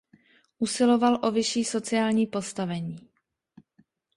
Usiloval o vyšší sociální postavení.